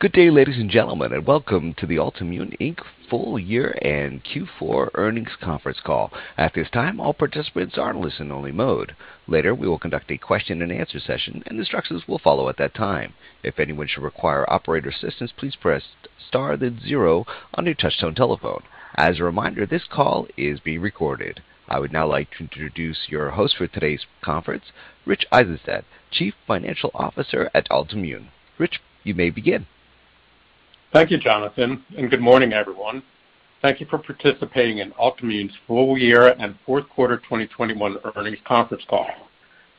Good day, ladies and gentlemen, and welcome to the Altimmune, Inc. full year and Q4 earnings conference call. At this time, all participants are in listen only mode. Later, we will conduct a question-and-answer session and the instructions will follow at that time. If anyone should require operator assistance, please press star then zero on your touchtone telephone. As a reminder, this call is being recorded. I would now like to introduce your host for today's conference, Rich Eisenstadt, Chief Financial Officer at Altimmune. Rich, you may begin. Thank you, Jonathan, and good morning, everyone. Thank you for participating in Altimmune's full year and fourth quarter 2021 earnings conference call.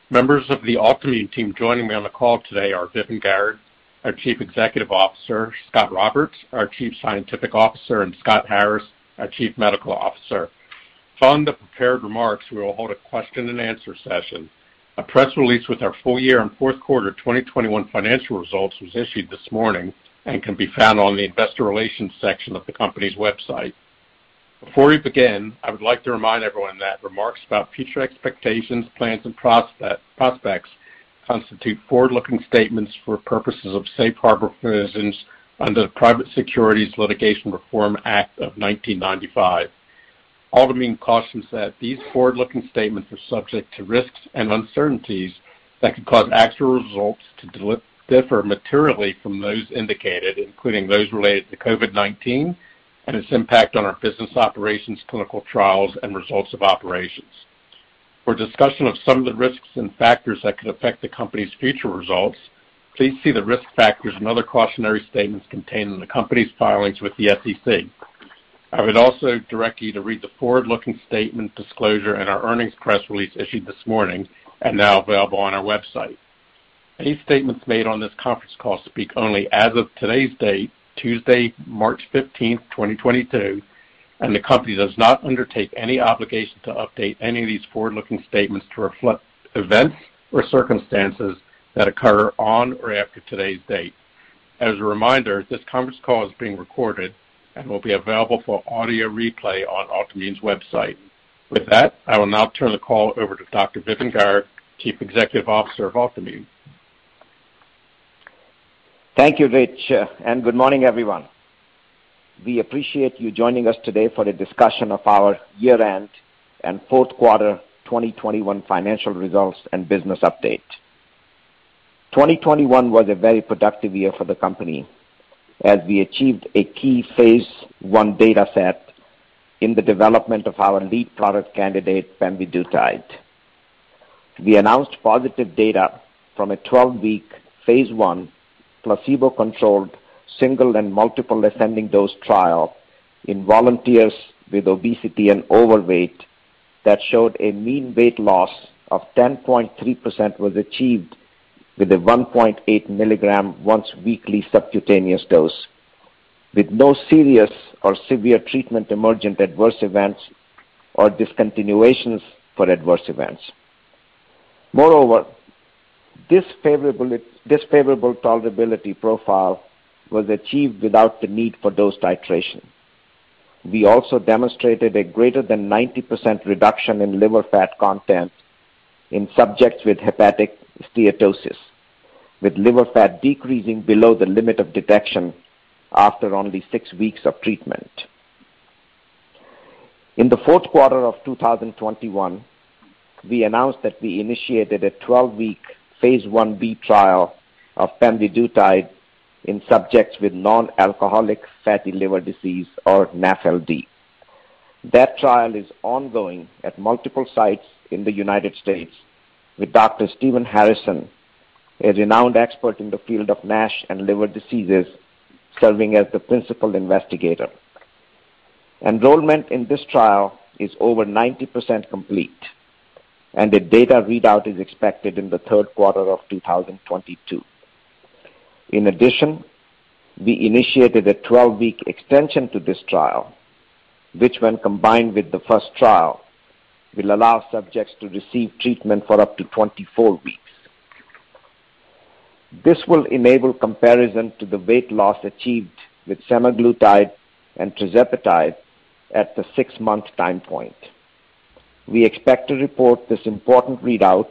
Members of the Altimmune team joining me on the call today are Vipin Garg, our Chief Executive Officer, Scot Roberts, our Chief Scientific Officer, and Scott Harris, our Chief Medical Officer. Following the prepared remarks, we will hold a question-and-answer session. A press release with our full year and fourth quarter 2021 financial results was issued this morning and can be found on the investor relations section of the company's website. Before we begin, I would like to remind everyone that remarks about future expectations, plans and prospects constitute forward-looking statements for purposes of safe harbor provisions under the Private Securities Litigation Reform Act of 1995. Altimmune cautions that these forward-looking statements are subject to risks and uncertainties that could cause actual results to differ materially from those indicated, including those related to COVID-19 and its impact on our business operations, clinical trials and results of operations. For discussion of some of the risks and factors that could affect the company's future results, please see the risk factors and other cautionary statements contained in the company's filings with the SEC. I would also direct you to read the forward-looking statement disclosure in our earnings press release issued this morning and now available on our website. Any statements made on this conference call speak only as of today's date, Tuesday, March 15, 2022, and the company does not undertake any obligation to update any of these forward-looking statements to reflect events or circumstances that occur on or after today's date. As a reminder, this conference call is being recorded and will be available for audio replay on Altimmune's website. With that, I will now turn the call over to Dr. Vipin Garg, Chief Executive Officer of Altimmune. Thank you, Rich, and good morning, everyone. We appreciate you joining us today for a discussion of our year-end and fourth quarter 2021 financial results and business update. 2021 was a very productive year for the company as we achieved a key phase I data set in the development of our lead product candidate, pemvidutide. We announced positive data from a 12-week, phase I, placebo-controlled, single- and multiple-ascending-dose trial in volunteers with obesity and overweight that showed a mean weight loss of 10.3% was achieved with a 1.8 mg once-weekly subcutaneous dose, with no serious or severe treatment-emergent adverse events or discontinuations for adverse events. Moreover, this favorable tolerability profile was achieved without the need for dose titration. We also demonstrated a greater than 90% reduction in liver fat content in subjects with hepatic steatosis, with liver fat decreasing below the limit of detection after only six weeks of treatment. In the fourth quarter of 2021, we announced that we initiated a 12-week, phase I-B trial of pemvidutide in subjects with non-alcoholic fatty liver disease, or NAFLD. That trial is ongoing at multiple sites in the United States with Dr. Stephen Harrison, a renowned expert in the field of NASH and liver diseases, serving as the principal investigator. Enrollment in this trial is over 90% complete, and a data readout is expected in the third quarter of 2022. In addition, we initiated a 12-week extension to this trial, which when combined with the first trial, will allow subjects to receive treatment for up to 24 weeks. This will enable comparison to the weight loss achieved with semaglutide and tirzepatide at the 6-month time point. We expect to report this important readout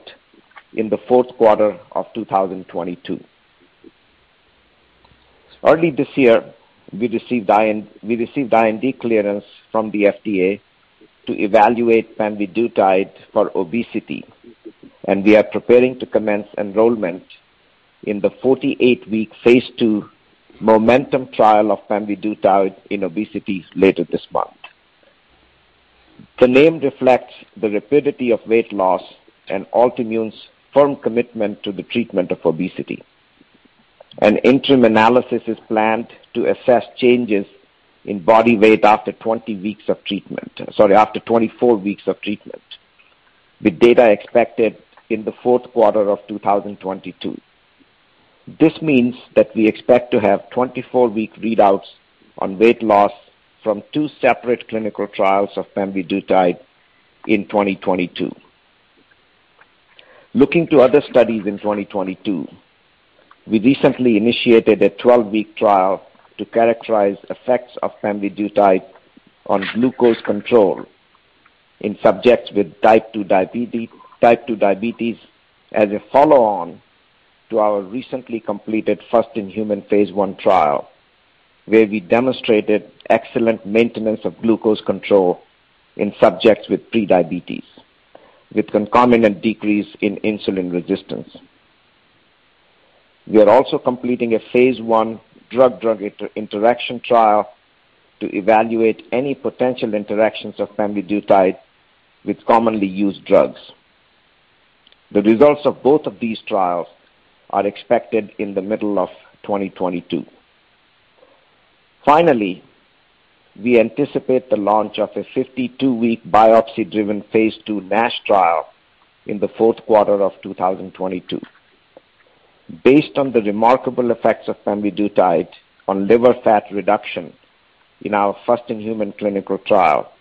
in the fourth quarter of 2022. Early this year, we received IND clearance from the FDA to evaluate pemvidutide for obesity, and we are preparing to commence enrollment in the 48-week, phase II MOMENTUM trial of pemvidutide in obesity later this month. The name reflects the rapidity of weight loss and Altimmune's firm commitment to the treatment of obesity. An interim analysis is planned to assess changes in body weight after 24 weeks of treatment, with data expected in the fourth quarter of 2022. This means that we expect to have 24-week readouts on weight loss from two separate clinical trials of pemvidutide in 2022. Looking to other studies in 2022, we recently initiated a 12-week trial to characterize effects of pemvidutide on glucose control. In subjects with type 2 diabetes as a follow-on to our recently completed first-in-human phase I trial, where we demonstrated excellent maintenance of glucose control in subjects with pre-diabetes, with concomitant decrease in insulin resistance. We are also completing a phase I drug-drug interaction trial to evaluate any potential interactions of pemvidutide with commonly used drugs. The results of both of these trials are expected in the middle of 2022. Finally, we anticipate the launch of a 52-week biopsy-driven phase II NASH trial in the fourth quarter of 2022. Based on the remarkable effects of pemvidutide on liver fat reduction in our first-in-human clinical trial,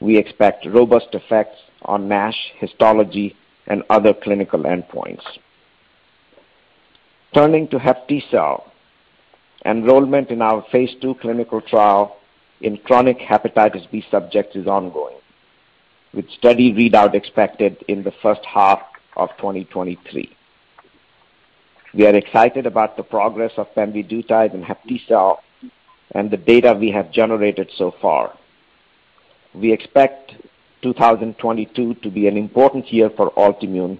we expect robust effects on NASH histology and other clinical endpoints. Turning to HepTcell, enrollment in our phase II clinical trial in chronic hepatitis B subjects is ongoing, with study readout expected in the first half of 2023. We are excited about the progress of pemvidutide in HepTcell and the data we have generated so far. We expect 2022 to be an important year for Altimmune,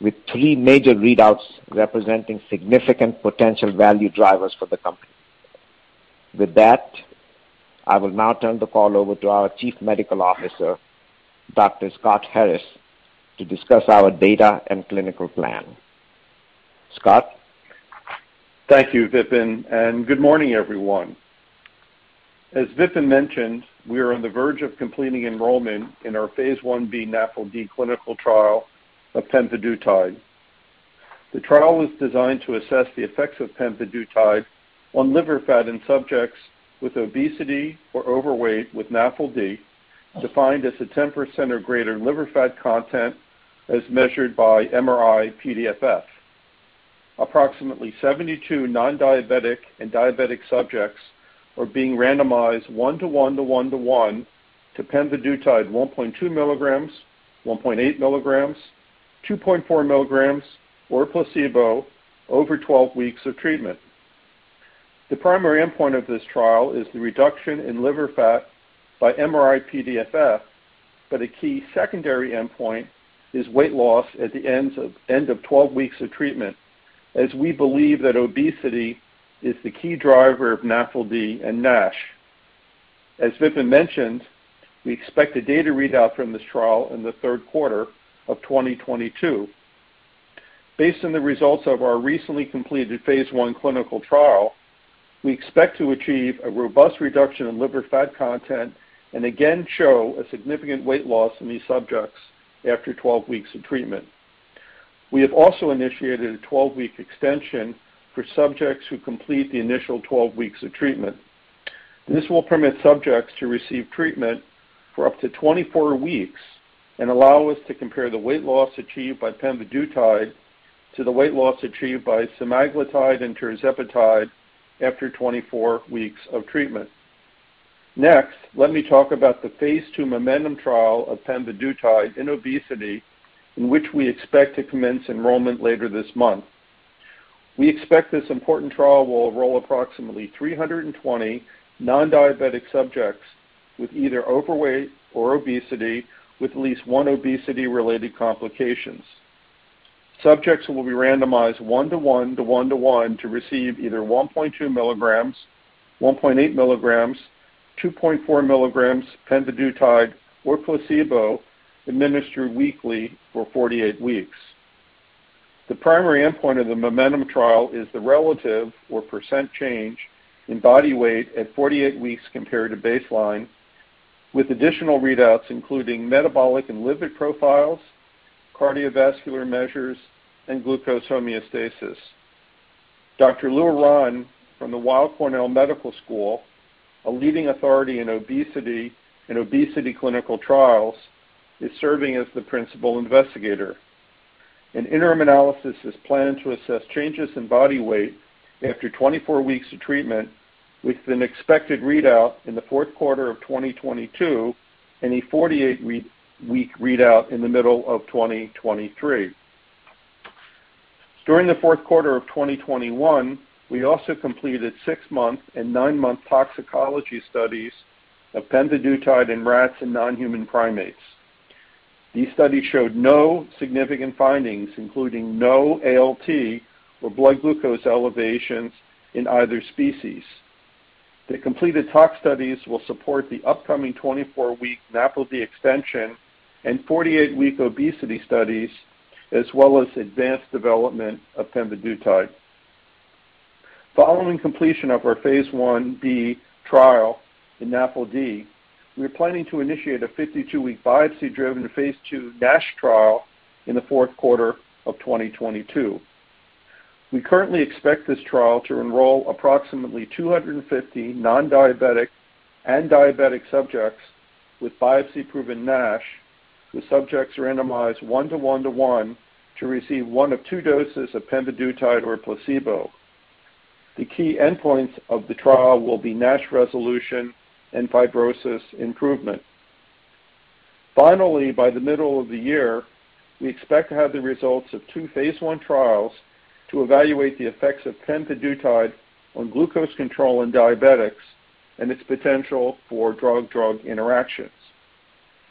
with three major readouts representing significant potential value drivers for the company. With that, I will now turn the call over to our Chief Medical Officer, Dr. Scott Harris, to discuss our data and clinical plan. Scott? Thank you, Vipin, and good morning, everyone. As Vipin mentioned, we are on the verge of completing enrollment in our phase I-B NAFLD clinical trial of pemvidutide. The trial was designed to assess the effects of pemvidutide on liver fat in subjects with obesity or overweight with NAFLD, defined as a 10% or greater liver fat content as measured by MRI-PDFF. Approximately 72 non-diabetic and diabetic subjects are being randomized one to one to one to one to pemvidutide 1.2 milligrams, 1.8 milligrams, 2.4 milligrams or placebo over 12 weeks of treatment. The primary endpoint of this trial is the reduction in liver fat by MRI-PDFF, but a key secondary endpoint is weight loss at the end of 12 weeks of treatment, as we believe that obesity is the key driver of NAFLD and NASH. As Vipin mentioned, we expect a data readout from this trial in the third quarter of 2022. Based on the results of our recently completed phase I clinical trial, we expect to achieve a robust reduction in liver fat content and again show a significant weight loss in these subjects after 12 weeks of treatment. We have also initiated a 12-week extension for subjects who complete the initial 12 weeks of treatment. This will permit subjects to receive treatment for up to 24 weeks and allow us to compare the weight loss achieved by pemvidutide to the weight loss achieved by semaglutide and tirzepatide after 24 weeks of treatment. Next, let me talk about the phase II MOMENTUM trial of pemvidutide in obesity, in which we expect to commence enrollment later this month. We expect this important trial will enroll approximately 320 non-diabetic subjects with either overweight or obesity, with at least one obesity-related complications. Subjects will be randomized one to one to one to one to receive either 1.2 milligrams, 1.8 milligrams, 2.4 milligrams pemvidutide or placebo, administered weekly for 48 weeks. The primary endpoint of the MOMENTUM trial is the relative or % change in body weight at 48 weeks compared to baseline, with additional readouts including metabolic and lipid profiles, cardiovascular measures, and glucose homeostasis. Dr. Louis Aronne from the Weill Cornell Medical School, a leading authority in obesity and obesity clinical trials, is serving as the principal investigator. An interim analysis is planned to assess changes in body weight after 24 weeks of treatment, with an expected readout in the fourth quarter of 2022 and a 48-week readout in the middle of 2023. During the fourth quarter of 2021, we also completed 6-month and 9-month toxicology studies of pemvidutide in rats and non-human primates. These studies showed no significant findings, including no ALT or blood glucose elevations in either species. The completed tox studies will support the upcoming 24-week NAFLD extension and 48-week obesity studies, as well as advanced development of pemvidutide. Following completion of our phase I B trial in NAFLD, we're planning to initiate a 52-week biopsy-driven phase II NASH trial in the fourth quarter of 2022. We currently expect this trial to enroll approximately 250 non-diabetic and diabetic subjects with biopsy-proven NASH, with subjects randomized one to one to one to receive one of two doses of pemvidutide or placebo. The key endpoints of the trial will be NASH resolution and fibrosis improvement. Finally, by the middle of the year, we expect to have the results of two phase I trials to evaluate the effects of pemvidutide on glucose control in diabetics and its potential for drug-drug interactions.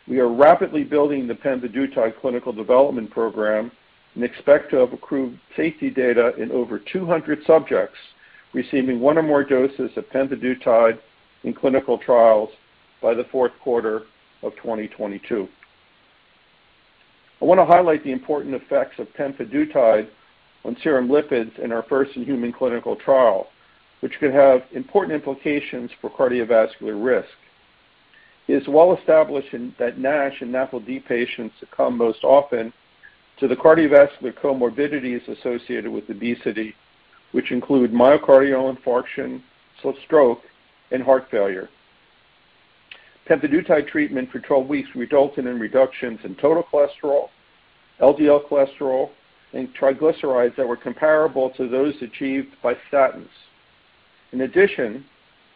We are rapidly building the pemvidutide clinical development program and expect to have accrued safety data in over 200 subjects receiving one or more doses of pemvidutide in clinical trials by the fourth quarter of 2022. I want to highlight the important effects of pemvidutide on serum lipids in our first-in-human clinical trial, which could have important implications for cardiovascular risk. It is well established that NASH and NAFLD patients succumb most often to the cardiovascular comorbidities associated with obesity, which include myocardial infarction, stroke, and heart failure. Pemvidutide treatment for 12 weeks resulted in reductions in total cholesterol, LDL cholesterol, and triglycerides that were comparable to those achieved by statins. In addition,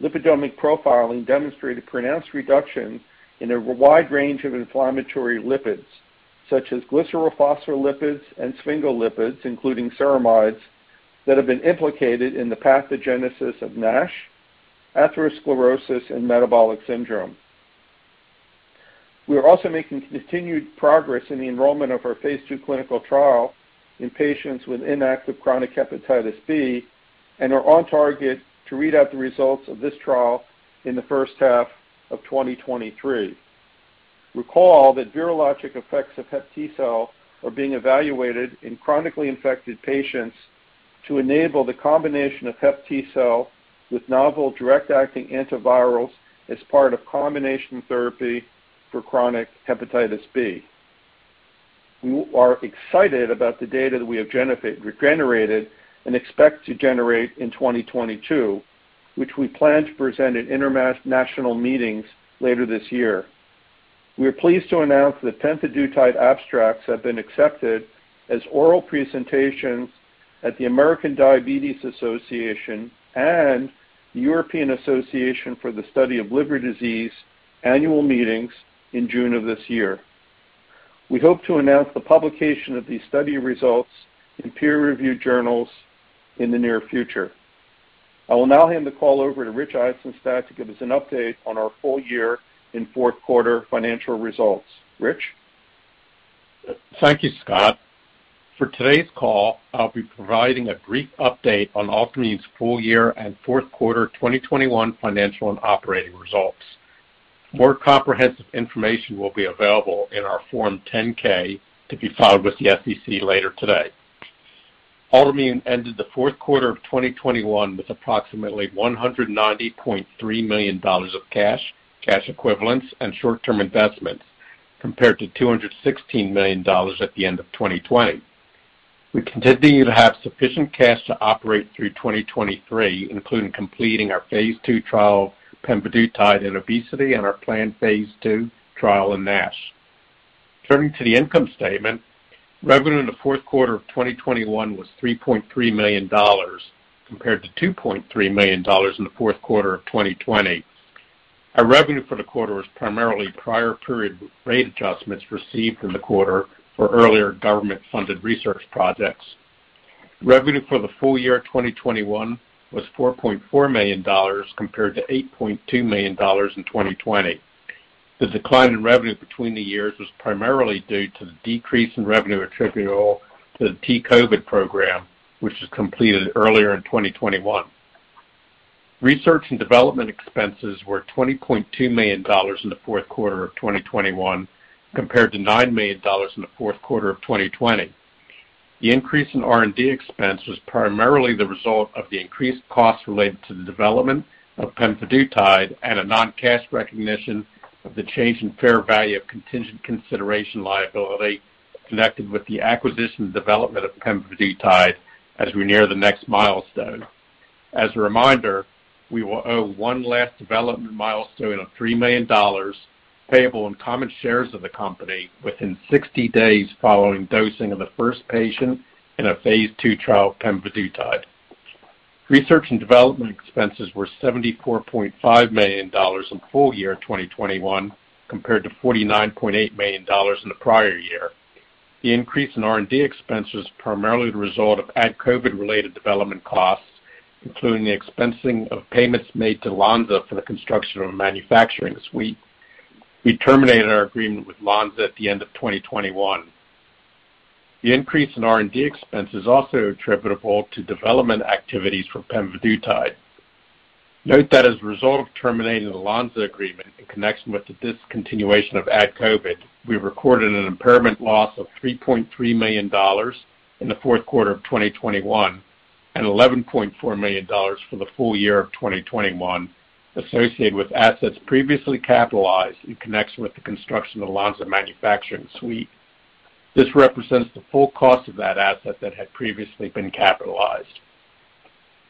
lipidomic profiling demonstrated pronounced reduction in a wide range of inflammatory lipids such as glycerophospholipids and sphingolipids, including ceramides that have been implicated in the pathogenesis of NASH, atherosclerosis, and metabolic syndrome. We are also making continued progress in the enrollment of our phase II clinical trial in patients with inactive chronic hepatitis B and are on target to read out the results of this trial in the first half of 2023. Recall that virologic effects of HepTcell are being evaluated in chronically infected patients to enable the combination of HepTcell with novel direct-acting antivirals as part of combination therapy for chronic hepatitis B. We are excited about the data that we have generated and expect to generate in 2022, which we plan to present at international meetings later this year. We are pleased to announce that pemvidutide abstracts have been accepted as oral presentations at the American Diabetes Association and the European Association for the Study of the Liver annual meetings in June of this year. We hope to announce the publication of these study results in peer-reviewed journals in the near future. I will now hand the call over to Richard Eisenstadt to give us an update on our full year and fourth quarter financial results. Rich? Thank you, Scott. For today's call, I'll be providing a brief update on Altimmune's full year and fourth quarter 2021 financial and operating results. More comprehensive information will be available in our Form 10-K to be filed with the SEC later today. Altimmune ended the fourth quarter of 2021 with approximately $190.3 million of cash equivalents, and short-term investments, compared to $216 million at the end of 2020. We continue to have sufficient cash to operate through 2023, including completing our phase II trial of pemvidutide in obesity and our planned phase II trial in NASH. Turning to the income statement, revenue in the fourth quarter of 2021 was $3.3 million, compared to $2.3 million in the fourth quarter of 2020. Our revenue for the quarter was primarily prior period rate adjustments received in the quarter for earlier government-funded research projects. Revenue for the full year 2021 was $4.4 million compared to $8.2 million in 2020. The decline in revenue between the years was primarily due to the decrease in revenue attributable to the T-COVID program, which was completed earlier in 2021. Research and development expenses were $20.2 million in the fourth quarter of 2021 compared to $9 million in the fourth quarter of 2020. The increase in R&D expense was primarily the result of the increased costs related to the development of pemvidutide and a non-cash recognition of the change in fair value of contingent consideration liability connected with the acquisition and development of pemvidutide as we near the next milestone. As a reminder, we will owe one last development milestone of $3 million payable in common shares of the company within 60 days following dosing of the first patient in a phase II trial of pemvidutide. Research and development expenses were $74.5 million in full year 2021 compared to $49.8 million in the prior year. The increase in R&D expenses primarily the result of AdCOVID-related development costs, including the expensing of payments made to Lonza for the construction of a manufacturing suite. We terminated our agreement with Lonza at the end of 2021. The increase in R&D expense is also attributable to development activities for pemvidutide. Note that as a result of terminating the Lonza agreement in connection with the discontinuation of AdCOVID, we recorded an impairment loss of $3.3 million in the fourth quarter of 2021 and $11.4 million for the full year of 2021 associated with assets previously capitalized in connection with the construction of the Lonza manufacturing suite. This represents the full cost of that asset that had previously been capitalized.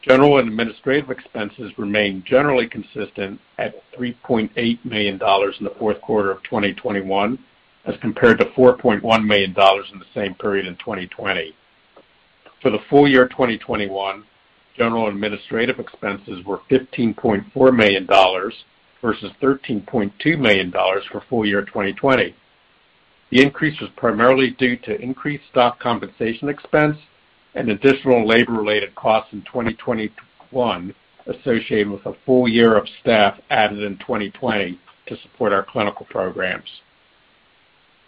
General and administrative expenses remained generally consistent at $3.8 million in the fourth quarter of 2021. As compared to $4.1 million in the same period in 2020. For the full year 2021, general administrative expenses were $15.4 million versus $13.2 million for full year 2020. The increase was primarily due to increased stock compensation expense and additional labor related costs in 2021 associated with a full year of staff added in 2020 to support our clinical programs.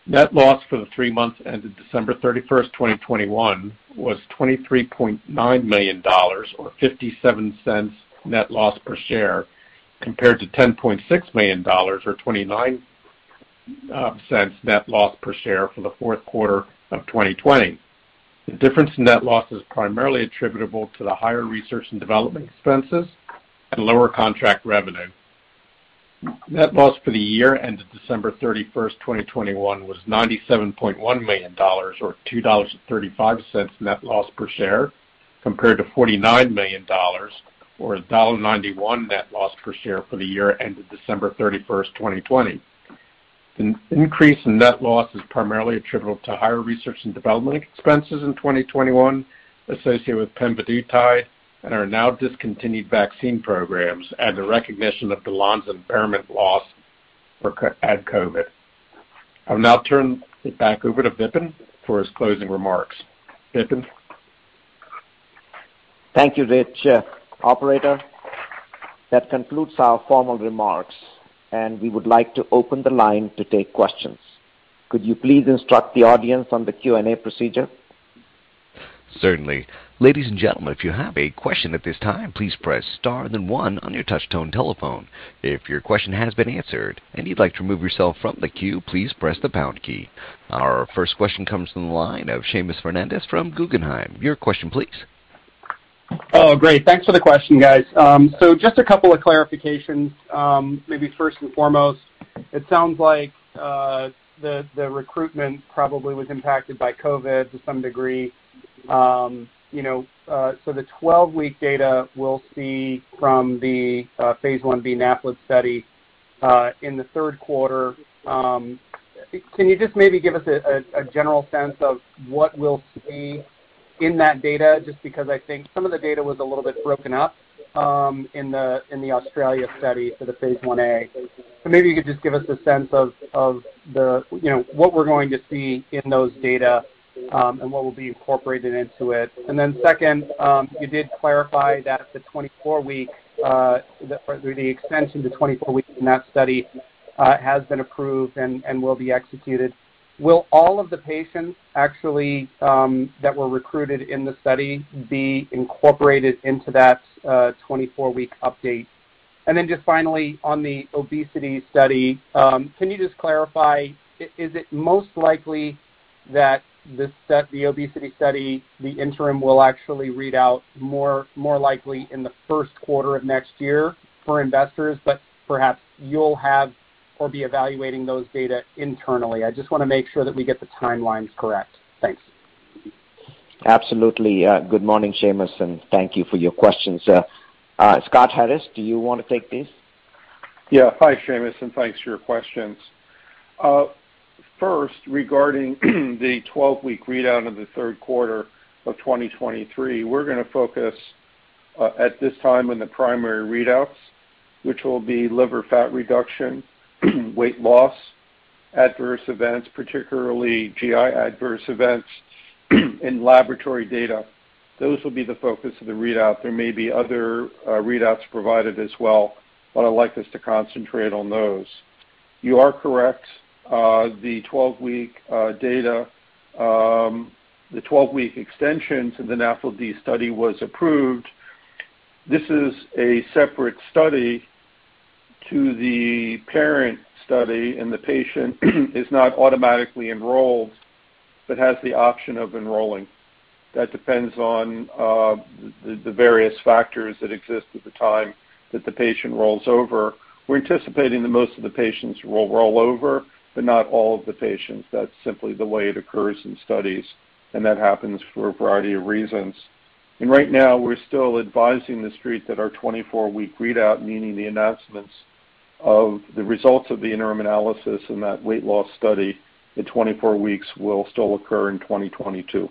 Net loss for the three months ended December 31, 2021 was $23.9 million or 57 cents net loss per share, compared to $10.6 million or 29 cents net loss per share for the fourth quarter of 2020. The difference in net loss is primarily attributable to the higher research and development expenses and lower contract revenue. Net loss for the year ended December 31, 2021 was $97.1 million or $2.35 net loss per share, compared to $49 million or $1.91 net loss per share for the year ended December 31, 2020. An increase in net loss is primarily attributable to higher research and development expenses in 2021 associated with pemvidutide and our now discontinued vaccine programs and the recognition of the impairment loss for AdCOVID. I'll now turn it back over to Vipin for his closing remarks. Vipin? Thank you, Rich. Operator, that concludes our formal remarks, and we would like to open the line to take questions. Could you please instruct the audience on the Q&A procedure? Certainly. Ladies and gentlemen, if you have a question at this time, please press star, then one on your touch-tone telephone. If your question has been answered and you'd like to remove yourself from the queue, please press the pound key. Our first question comes from the line of Seamus Fernandez from Guggenheim. Your question, please. Oh, great. Thanks for the question, guys. So just a couple of clarifications. Maybe first and foremost, it sounds like the recruitment probably was impacted by COVID to some degree. You know, so the 12-week data we'll see from the phase Ib NAFLD study in the third quarter, can you just maybe give us a general sense of what we'll see in that data? Just because I think some of the data was a little bit broken up in the Australia study for the phase IA. Maybe you could just give us a sense of the you know, what we're going to see in those data, and what will be incorporated into it. Second, you did clarify that the extension to 24 weeks in that study has been approved and will be executed. Will all of the patients actually that were recruited in the study be incorporated into that 24-week update? Just finally on the obesity study, can you just clarify, is it most likely that this set, the obesity study, the interim will actually read out more likely in the first quarter of next year for investors, but perhaps you'll have or be evaluating those data internally? I just want to make sure that we get the timelines correct. Thanks. Absolutely. Good morning, Seamus, and thank you for your questions. Scott Harris, do you want to take these? Yeah. Hi, Seamus, and thanks for your questions. First, regarding the 12-week readout of the third quarter of 2023, we're going to focus, at this time on the primary readouts, which will be liver fat reduction, weight loss, adverse events, particularly GI adverse events, and laboratory data. Those will be the focus of the readout. There may be other, readouts provided as well, but I'd like us to concentrate on those. You are correct. The 12-week extension to the NAFLD study was approved. This is a separate study to the parent study, and the patient is not automatically enrolled but has the option of enrolling. That depends on the various factors that exist at the time that the patient rolls over. We're anticipating that most of the patients will roll over, but not all of the patients. That's simply the way it occurs in studies, and that happens for a variety of reasons. Right now, we're still advising the Street that our 24-week readout, meaning the announcements of the results of the interim analysis in that weight loss study at 24 weeks, will still occur in 2022.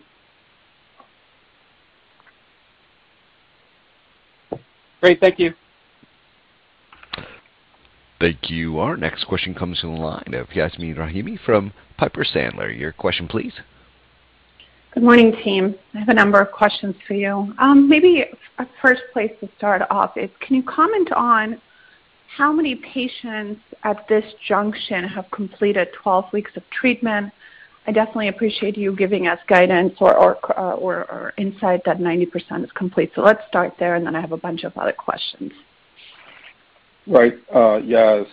Great. Thank you. Thank you. Our next question comes from the line of Yasmeen Rahimi from Piper Sandler. Your question please. Good morning, team. I have a number of questions for you. Maybe a first place to start off is, can you comment on how many patients at this junction have completed 12 weeks of treatment? I definitely appreciate you giving us guidance or insight that 90% is complete. Let's start there, and then I have a bunch of other questions. Right. Yasmeen.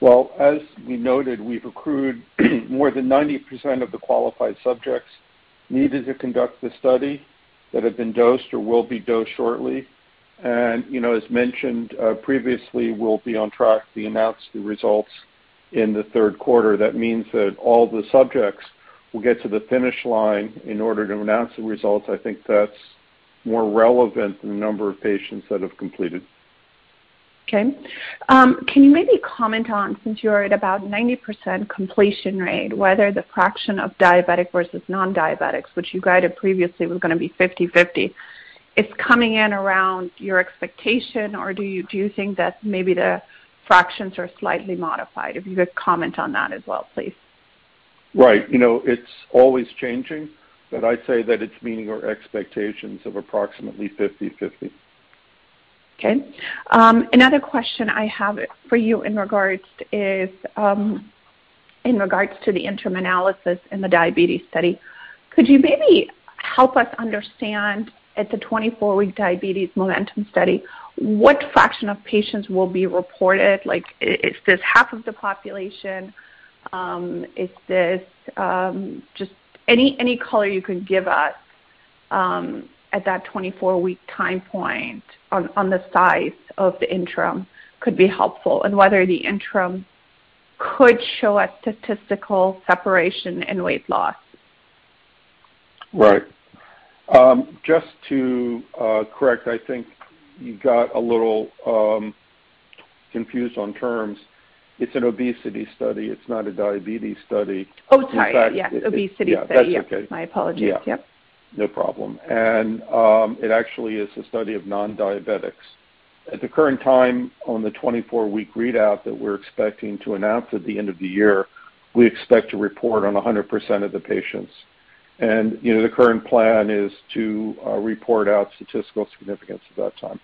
Well, as we noted, we've accrued more than 90% of the qualified subjects needed to conduct the study that have been dosed or will be dosed shortly. You know, as mentioned previously, we'll be on track to announce the results in the third quarter. That means that all the subjects will get to the finish line in order to announce the results. I think that's more relevant than the number of patients that have completed. Okay. Can you maybe comment on, since you are at about 90% completion rate, whether the fraction of diabetic versus non-diabetics, which you guided previously was gonna be 50/50. It's coming in around your expectation, or do you think that maybe the fractions are slightly modified? If you could comment on that as well, please. Right. You know, it's always changing, but I'd say that it's meeting our expectations of approximately 50/50. Okay. Another question I have for you in regards to the interim analysis in the diabetes study. Could you maybe help us understand at the 24-week diabetes MOMENTUM study, what fraction of patients will be reported? Like, is this half of the population? Is this just any color you could give us at that 24-week time point on the size of the interim could be helpful, and whether the interim could show a statistical separation in weight loss. Right. Just to correct, I think you got a little confused on terms. It's an obesity study. It's not a diabetes study. Oh, sorry. Yeah. In fact- Obesity study. Yeah, that's okay. My apologies. Yeah. Yep. No problem. It actually is a study of non-diabetics. At the current time on the 24-week readout that we're expecting to announce at the end of the year, we expect to report on 100% of the patients. The current plan is to report out statistical significance at that time.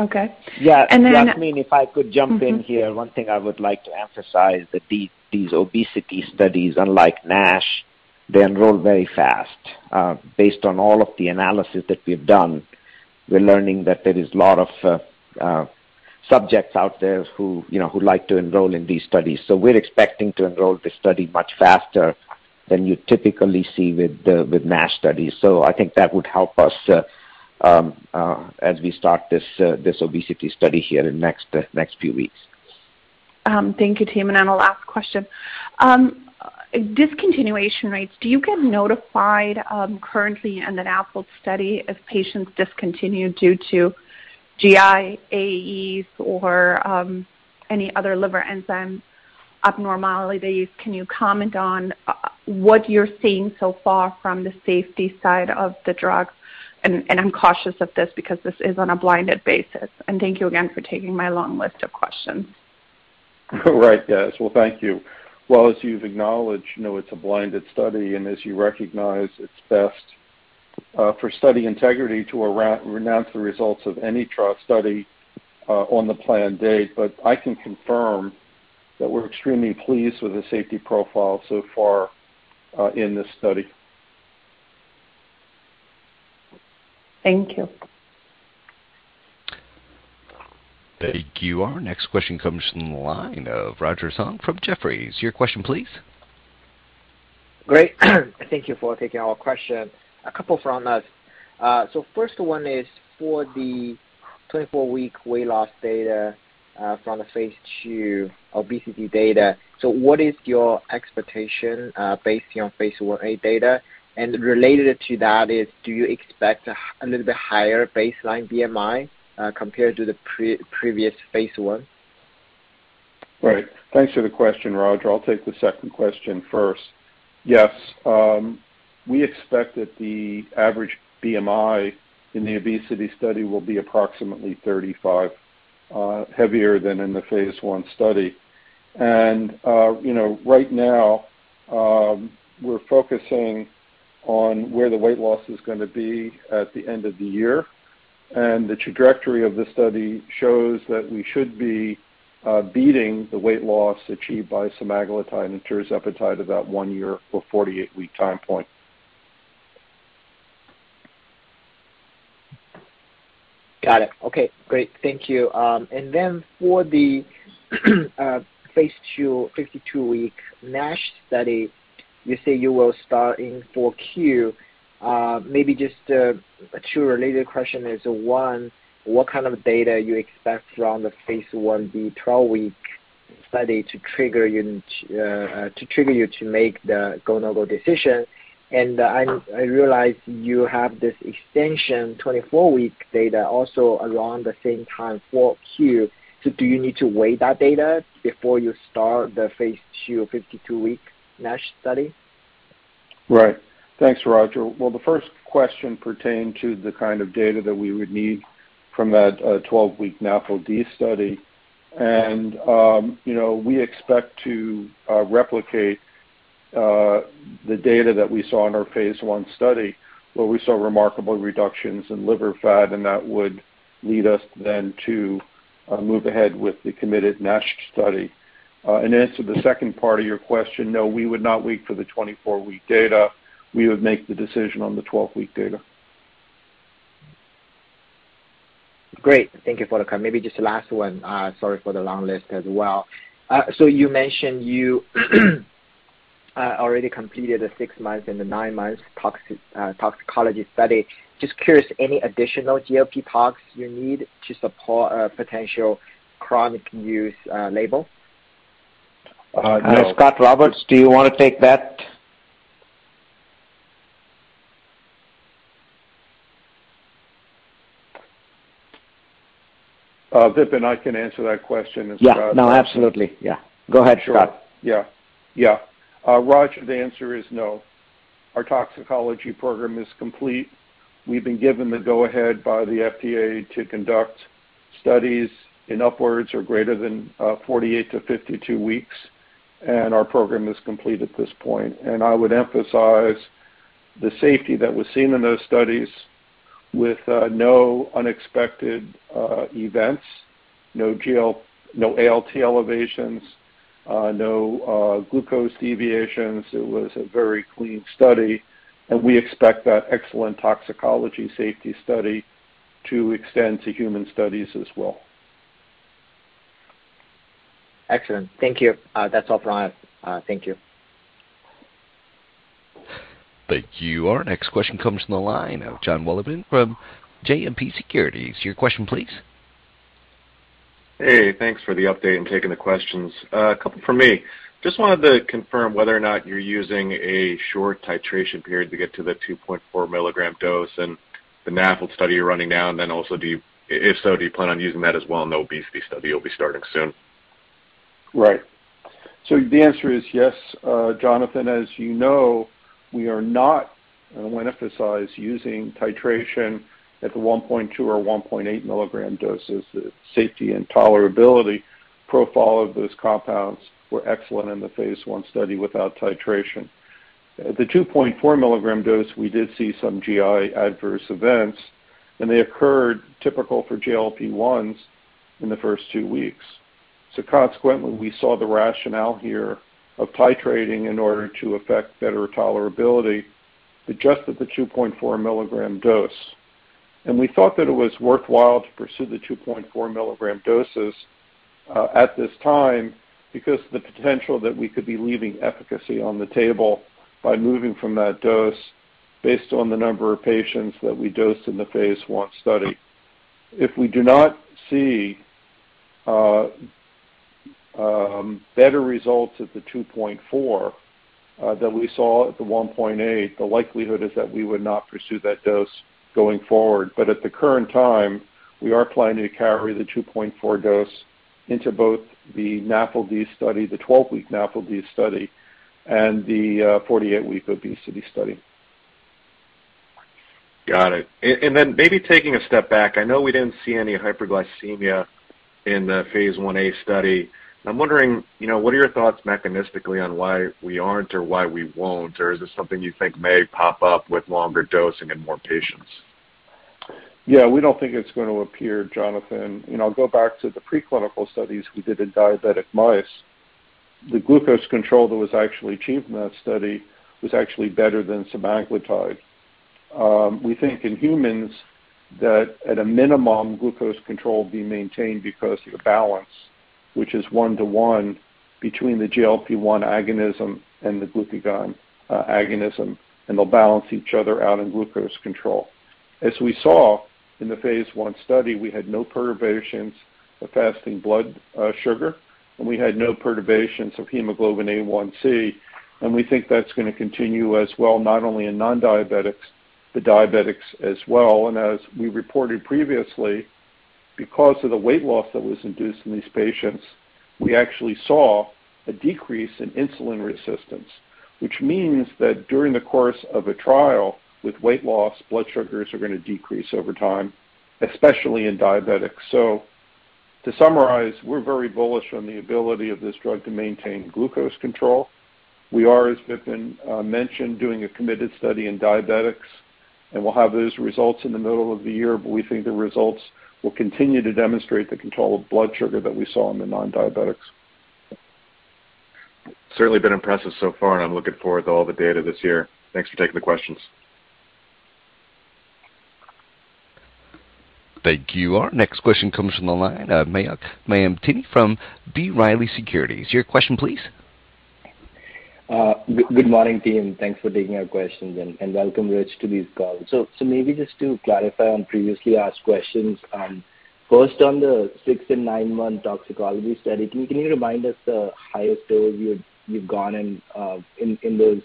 Okay. Yeah. And then- Yasmin, if I could jump in here. Mm-hmm. One thing I would like to emphasize that these obesity studies unlike NASH, they enroll very fast. Based on all of the analysis that we've done, we're learning that there is a lot of subjects out there who, you know, who like to enroll in these studies. We're expecting to enroll this study much faster than you typically see with the NASH studies. I think that would help us as we start this obesity study here in next few weeks. Thank you, Tim. The last question. Discontinuation rates, do you get notified currently in the NAFLD study if patients discontinue due to GI AEs or any other liver enzyme abnormalities? Can you comment on what you're seeing so far from the safety side of the drug? I'm cautious of this because this is on a blinded basis. Thank you again for taking my long list of questions. Right. Yes. Well, thank you. Well, as you've acknowledged, you know, it's a blinded study, and as you recognize, it's best for study integrity to announce the results of any trial study on the planned date. But I can confirm that we're extremely pleased with the safety profile so far in this study. Thank you. Thank you. Our next question comes from the line of Roger Song from Jefferies. Your question please. Great. Thank you for taking our question. A couple from us. First one is for the 24-week weight loss data from the phase II obesity data. What is your expectation based on phase IA data? Related to that, do you expect a little bit higher baseline BMI compared to the previous phase I? Right. Thanks for the question, Roger. I'll take the second question first. Yes, we expect that the average BMI in the obesity study will be approximately 35, heavier than in the phase I study. You know, right now, we're focusing on where the weight loss is gonna be at the end of the year, and the trajectory of the study shows that we should be beating the weight loss achieved by semaglutide and tirzepatide about one year for 48-week time point. Got it. Okay, great. Thank you. Then for the phase II 52-week NASH study, you say you will start in 4Q. Maybe just two related questions. One, what kind of data you expect from the phase I-B 12-week study to trigger you to make the go/no-go decision? I realize you have this extension 24-week data also around the same time, 4Q. Do you need to weigh that data before you start the phase II 52-week NASH study? Right. Thanks, Roger. Well, the first question pertained to the kind of data that we would need from that 12-week NAFLD study. You know, we expect to replicate the data that we saw in our phase I study, where we saw remarkable reductions in liver fat, and that would lead us then to move ahead with the committed NASH study. As to the second part of your question, no, we would not wait for the 24-week data. We would make the decision on the 12-week data. Great. Maybe just the last one. Sorry for the long list as well. So you mentioned you already completed the six months and the nine months toxicology study. Just curious, any additional GLP tox you need to support a potential chronic use label? No. Scot Roberts, do you wanna take that? Vipin, I can answer that question as well. Yeah. No, absolutely. Yeah. Go ahead, Scott. Sure. Yeah, Roger, the answer is no. Our toxicology program is complete. We've been given the go-ahead by the FDA to conduct studies in upwards of greater than 48-52 weeks, and our program is complete at this point. I would emphasize the safety that was seen in those studies with no unexpected events, no ALT elevations, no glucose deviations. It was a very clean study, and we expect that excellent toxicology safety study to extend to human studies as well. Excellent. Thank you. That's all from us. Thank you. Thank you. Our next question comes from the line of Jonathan Wolleben from JMP Securities. Your question please. Hey. Thanks for the update and taking the questions. Couple from me. Just wanted to confirm whether or not you're using a short titration period to get to the 2.4 mg dose and the NAFLD study you're running now, and then also if so, do you plan on using that as well in the obesity study you'll be starting soon? Right. The answer is yes. Jonathan, as you know, we are not, and I wanna emphasize, using titration at the 1.2-mg or 1.8-mg doses. The safety and tolerability profile of those compounds were excellent in the phase I study without titration. At the 2.4-mg dose, we did see some GI adverse events, and they occurred, typical for GLP-1s, in the first two weeks. Consequently, we saw the rationale here of titrating in order to affect better tolerability, but just at the 2.4-mg dose. We thought that it was worthwhile to pursue the 2.4-mg doses at this time because the potential that we could be leaving efficacy on the table by moving from that dose based on the number of patients that we dosed in the phase I study. If we do not see better results at the 2.4 than we saw at the 1.8, the likelihood is that we would not pursue that dose going forward. At the current time, we are planning to carry the 2.4 dose into both the NAFLD study, the 12-week NAFLD study, and the 48-week obesity study. Got it. Then maybe taking a step back, I know we didn't see any hyperglycemia in the phase I A study. I'm wondering, you know, what are your thoughts mechanistically on why we aren't or why we won't, or is this something you think may pop up with longer dosing in more patients? Yeah. We don't think it's going to appear, Jonathan. You know, go back to the preclinical studies we did in diabetic mice. The glucose control that was actually achieved in that study was actually better than semaglutide. We think in humans that at a minimum, glucose control will be maintained because of the balance, which is 1:1 between the GLP-1 agonism and the glucagon agonism, and they'll balance each other out in glucose control. As we saw in the phase I study, we had no perturbations of fasting blood sugar, and we had no perturbations of Hemoglobin A1c, and we think that's gonna continue as well, not only in non-diabetics, but diabetics as well. As we reported previously, because of the weight loss that was induced in these patients, we actually saw a decrease in insulin resistance, which means that during the course of a trial with weight loss, blood sugars are gonna decrease over time, especially in diabetics. To summarize, we're very bullish on the ability of this drug to maintain glucose control. We are, as Vipin mentioned, doing a committed study in diabetics, and we'll have those results in the middle of the year, but we think the results will continue to demonstrate the control of blood sugar that we saw in the non-diabetics. Certainly been impressive so far, and I'm looking forward to all the data this year. Thanks for taking the questions. Thank you. Our next question comes from the line of Mayank Mamtani from B. Riley Securities. Your question, please. Good morning, team. Thanks for taking our questions and welcome Rich to this call. Maybe just to clarify on previously asked questions, first on the 6- and 9-month toxicology study, can you remind us the highest dose you've gone in in those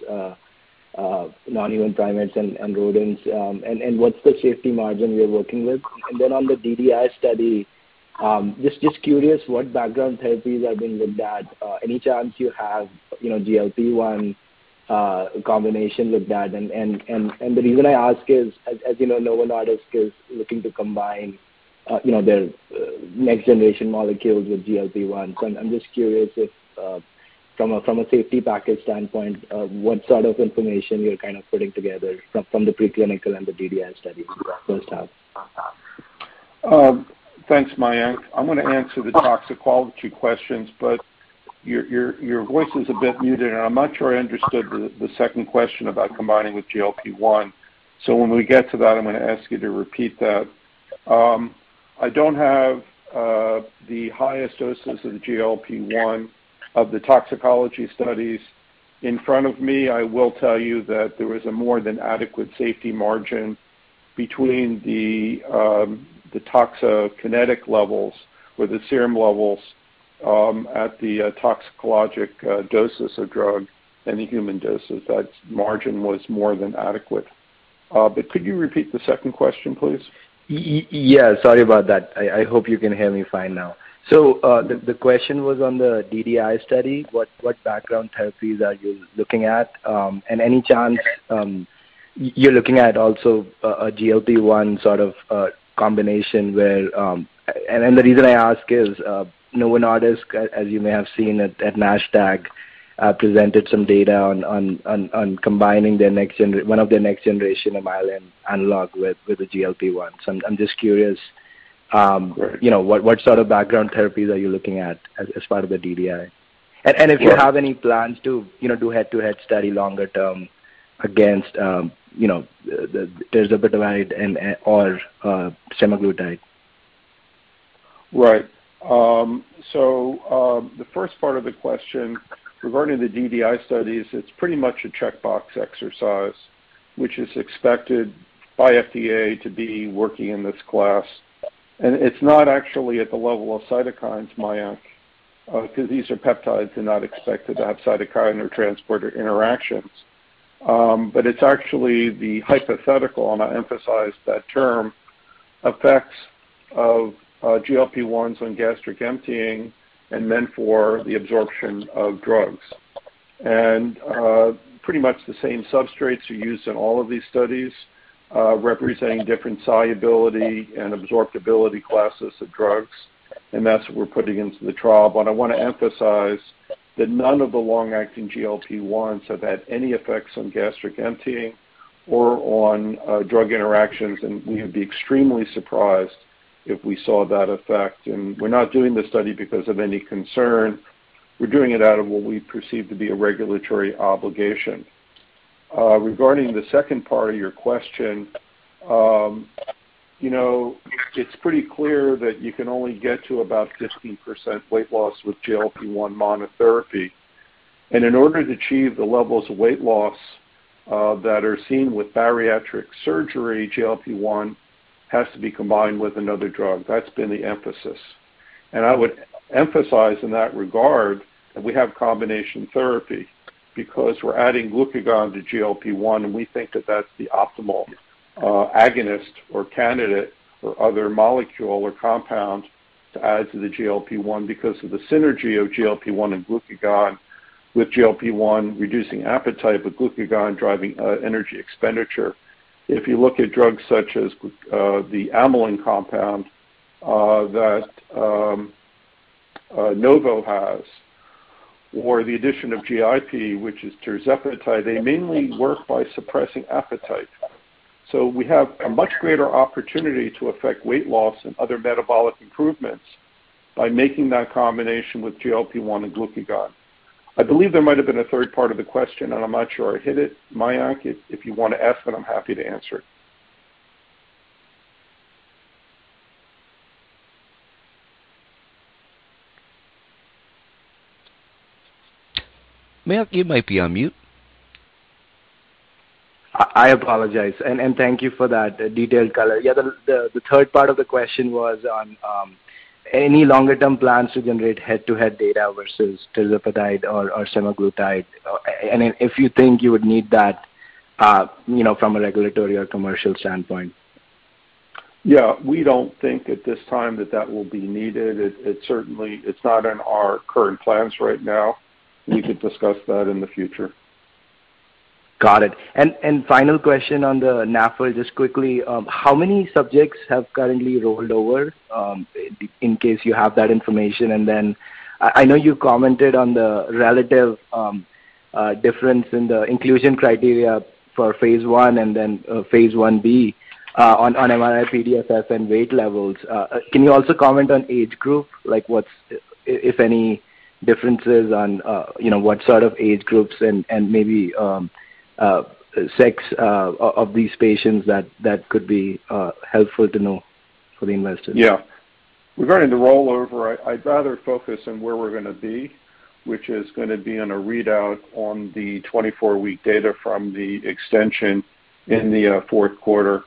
non-human primates and rodents? And what's the safety margin you're working with? And then on the DDI study, just curious what background therapies have been with that. Any chance you have, you know, GLP-1 combination with that? And the reason I ask is as you know, Novo Nordisk is looking to combine, you know, their next-generation molecules with GLP-1. I'm just curious if, from a safety package standpoint, what sort of information you're kind of putting together from the preclinical and the DDI studies first half? Thanks, Mayank. I'm gonna answer the toxicology questions, but your voice is a bit muted, and I'm not sure I understood the second question about combining with GLP-1. When we get to that, I'm gonna ask you to repeat that. I don't have the highest doses of GLP-1 of the toxicology studies in front of me. I will tell you that there was a more than adequate safety margin between the toxokinetic levels or the serum levels, the toxicological doses of drug and the human doses. That margin was more than adequate. Could you repeat the second question, please? Yeah, sorry about that. I hope you can hear me fine now. The question was on the DDI study, what background therapies are you looking at? And any chance you're looking at also a GLP-1 sort of combination where? And the reason I ask is, Novo Nordisk, as you may have seen at Nasdaq, presented some data on combining one of their next generation analog with the GLP-1. I'm just curious, you know, what sort of background therapies are you looking at as part of the DDI? Sure. If you have any plans to, you know, do head-to-head study longer term against, you know, the tirzepatide and or semaglutide? The first part of the question regarding the DDI studies, it's pretty much a checkbox exercise, which is expected by FDA to be working in this class. It's not actually at the level of cytokines, Mayank, because these are peptides they're not expected to have cytokine or transporter interactions. It's actually the hypothetical, and I emphasize that term, effects of GLP-1s on gastric emptying and then for the absorption of drugs. Pretty much the same substrates are used in all of these studies, representing different solubility and permeability classes of drugs, and that's what we're putting into the trial. I wanna emphasize that none of the long-acting GLP-1s have had any effects on gastric emptying or on drug interactions, and we would be extremely surprised if we saw that effect. We're not doing this study because of any concern. We're doing it out of what we perceive to be a regulatory obligation. Regarding the second part of your question, you know, it's pretty clear that you can only get to about 15% weight loss with GLP-1 monotherapy. In order to achieve the levels of weight loss that are seen with bariatric surgery, GLP-1 has to be combined with another drug. That's been the emphasis. I would emphasize in that regard that we have combination therapy because we're adding glucagon to GLP-1, and we think that that's the optimal agonist or candidate or other molecule or compound to add to the GLP-1 because of the synergy of GLP-1 and glucagon, with GLP-1 reducing appetite, but glucagon driving energy expenditure. If you look at drugs such as the amylin compound that Novo has, or the addition of GIP, which is tirzepatide, they mainly work by suppressing appetite. We have a much greater opportunity to affect weight loss and other metabolic improvements by making that combination with GLP-1 and glucagon. I believe there might have been a third part of the question, and I'm not sure I hit it. Mayank, if you wanna ask that, I'm happy to answer it. Mayank, you might be on mute. I apologize, and thank you for that detailed color. Yeah, the third part of the question was on any longer-term plans to generate head-to-head data versus tirzepatide or semaglutide, and if you think you would need that, you know, from a regulatory or commercial standpoint. Yeah. We don't think at this time that will be needed. It certainly is not in our current plans right now. We could discuss that in the future. Got it. Final question on the NAFLD, just quickly, how many subjects have currently rolled over, in case you have that information? I know you commented on the relative difference in the inclusion criteria for phase I and then phase I-B, on MRI-PDFF and weight levels. Can you also comment on age group, like what's if any differences on, you know, what sort of age groups and maybe sex of these patients that could be helpful to know for the investors? Yeah. Regarding the rollover, I'd rather focus on where we're gonna be, which is gonna be on a readout on the 24-week data from the extension in the fourth quarter.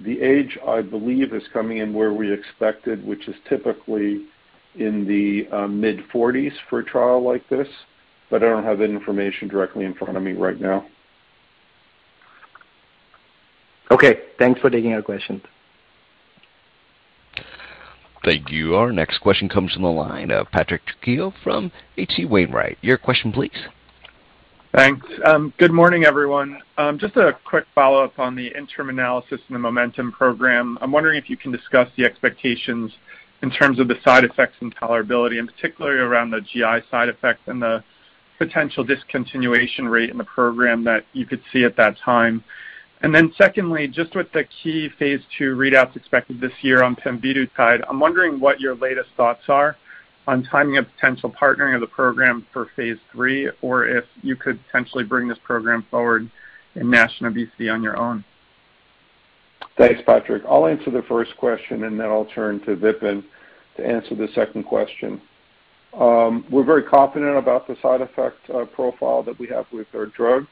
The age, I believe, is coming in where we expected, which is typically in the mid-40s for a trial like this, but I don't have that information directly in front of me right now. Okay. Thanks for taking our questions. Thank you. Our next question comes from the line of Patrick Trucchio from H.C. Wainwright. Your question please. Thanks. Good morning, everyone. Just a quick follow-up on the interim analysis and the MOMENTUM program. I'm wondering if you can discuss the expectations in terms of the side effects and tolerability, and particularly around the GI side effects and the potential discontinuation rate in the program that you could see at that time. Secondly, just with the key phase II readouts expected this year on pemvidutide, I'm wondering what your latest thoughts are on timing of potential partnering of the program for phase III, or if you could potentially bring this program forward in NASH on your own. Thanks, Patrick. I'll answer the first question, and then I'll turn to Vipin to answer the second question. We're very confident about the side effect profile that we have with our drug.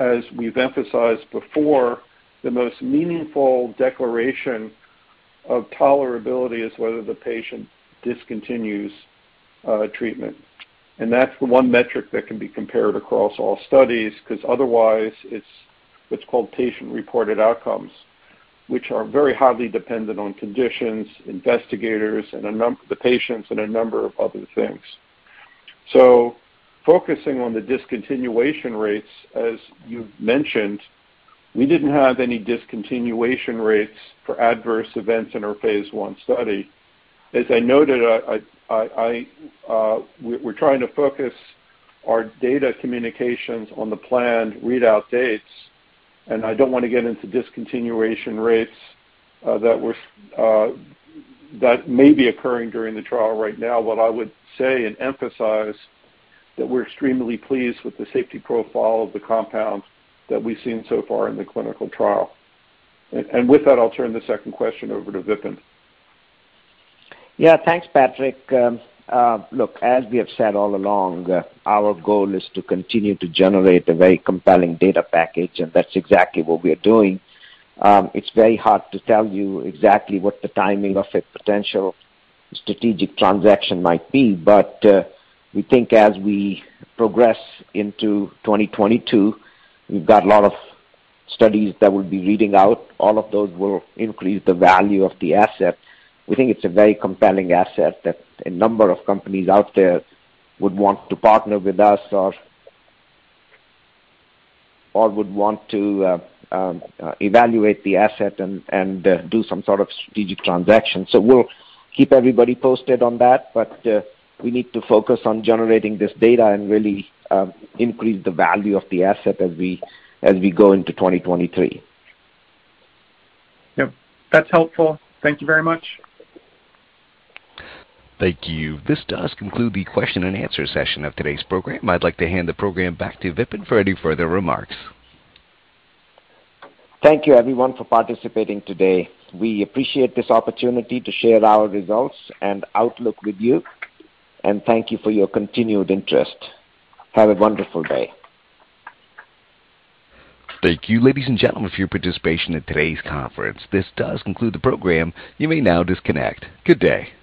As we've emphasized before, the most meaningful declaration of tolerability is whether the patient discontinues treatment. That's the one metric that can be compared across all studies 'cause otherwise it's called patient-reported outcomes, which are very highly dependent on conditions, investigators and the patients and a number of other things. Focusing on the discontinuation rates, as you've mentioned, we didn't have any discontinuation rates for adverse events in our phase I study. As I noted, we're trying to focus our data communications on the planned readout dates, and I don't wanna get into discontinuation rates that may be occurring during the trial right now. What I would say and emphasize that we're extremely pleased with the safety profile of the compound that we've seen so far in the clinical trial. With that, I'll turn the second question over to Vipin. Yeah. Thanks, Patrick. Look, as we have said all along, our goal is to continue to generate a very compelling data package, and that's exactly what we are doing. It's very hard to tell you exactly what the timing of a potential strategic transaction might be, but we think as we progress into 2022, we've got a lot of studies that will be reading out. All of those will increase the value of the asset. We think it's a very compelling asset that a number of companies out there would want to partner with us or would want to evaluate the asset and do some sort of strategic transaction. We'll keep everybody posted on that. We need to focus on generating this data and really increase the value of the asset as we go into 2023. Yep. That's helpful. Thank you very much. Thank you. This does conclude the question and answer session of today's program. I'd like to hand the program back to Vipin for any further remarks. Thank you, everyone, for participating today. We appreciate this opportunity to share our results and outlook with you, and thank you for your continued interest. Have a wonderful day. Thank you, ladies and gentlemen, for your participation in today's conference. This does conclude the program. You may now disconnect. Good day.